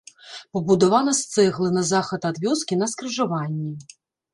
Пабудавана з цэглы, на захад ад вёскі, на скрыжаванні.